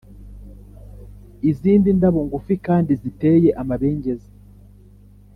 izindi ndabo ngufi kandi ziteye amabengeza.